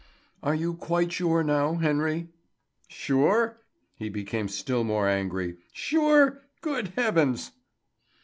"Are you quite sure now, Henry?" "Sure?" He became still more angry. "Sure? Good heavens!"